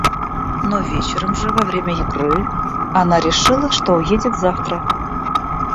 Но вечером же, во время игры, она решила, что уедет завтра.